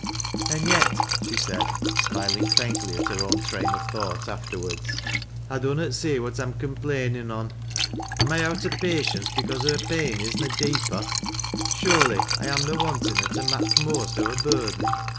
"An' yet," she said, smiling faintly at her own train of thought afterward, " I dunnot see what I'm complainin' on. Am I out o' patience because her pain is na dee].«i' \ Surely I am na wantin' her to raak' th' most o' her bui den.